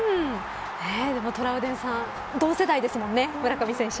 でもトラウデンさん同世代ですもんね、村上選手。